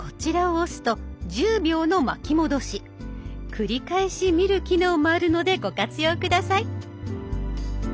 繰り返し見る機能もあるのでご活用下さい。